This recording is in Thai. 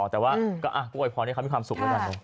แต่ว่าก็โวยพรให้เขามีความสุขแล้วกันเนอ